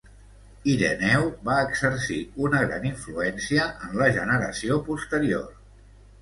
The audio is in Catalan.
Ireneu va exercir una gran influència en la generació posterior.